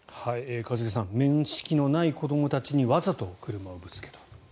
一茂さん面識のない子どもたちにわざと車をぶつけた。